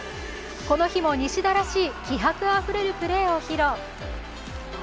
この日も西田らしい気迫あふれるプレーを披露。